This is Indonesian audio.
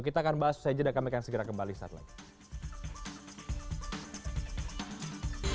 kita akan bahas saja dan kami akan segera kembali setelah itu